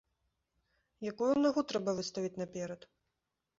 Якую нагу трэба выставіць наперад?